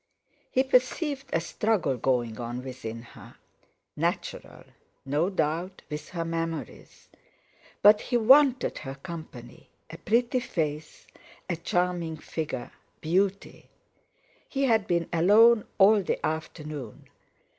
He perceived a struggle going on within her; natural, no doubt, with her memories. But he wanted her company; a pretty face, a charming figure, beauty! He had been alone all the afternoon.